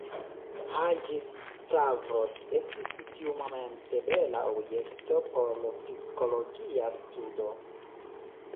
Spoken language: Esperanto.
Haĝi-Stavros estis tiumomente bela objekto por psikologia studo.